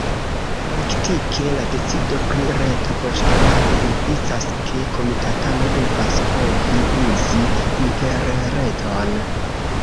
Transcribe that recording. Praktike la decido pri reta voĉdonado implicas, ke komitatano devas povi uzi interreton.